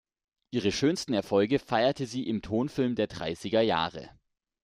Ihre schönsten Erfolge feierte sie im Tonfilm der dreißiger Jahre.